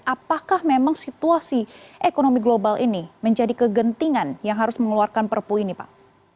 apakah memang situasi ekonomi global ini menjadi kegentingan yang harus mengeluarkan perpu ini pak